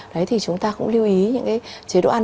đấy thì chúng ta cũng lưu ý những cái chế độ ăn